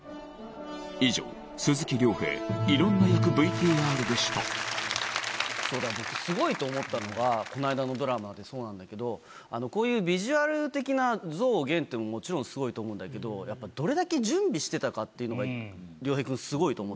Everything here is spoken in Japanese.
以上そうだ僕スゴいと思ったのがこの間のドラマでそうなんだけどこういうビジュアル的な増減ってもちろんスゴいと思うんだけどやっぱどれだけ準備してたかっていうのが亮平くんスゴいと思ってて。